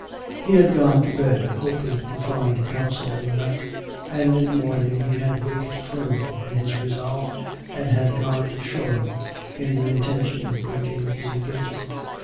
He had gone to bed hoping to find counsel in the night, and in the morning he had waked firm in his resolve, and had gone to Shoreham in the intention of breaking his engagement.